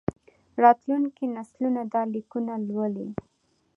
راتلونکي نسلونه دا لیکونه لولي.